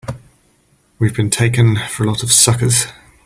We've been taken for a lot of suckers!